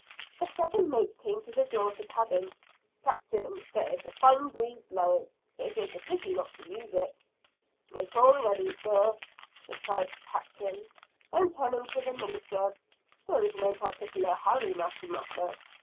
The second mate came to the door of the cabin. "Captain, there is a fine breeze blowing, it is a pity not to use it." "Make all ready, sir," replied the Captain. Then turning to the minister, "There is no particular hurry, Master Mather.